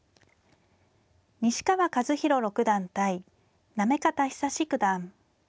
西川和宏六段対行方尚史九段。